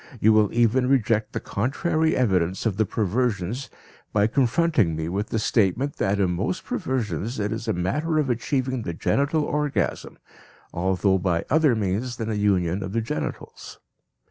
You will even reject the contrary evidence of the perversions by confronting me with the statement that in most perversions it is a matter of achieving the genital orgasm, although by other means than a union of the genitals.